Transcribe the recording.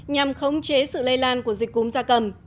nhằm khống chế sự lây lan của dịch cúm gia cầm